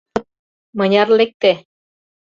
Мыняр лекте?